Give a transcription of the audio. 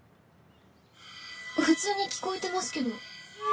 普通に聞こえてますけど